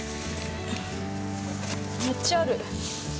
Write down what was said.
めっちゃある。